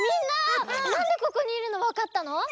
なんでここにいるのわかったの？